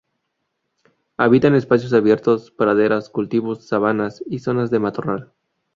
Habita en espacios abiertos: praderas, cultivos, sabanas y zonas de matorral.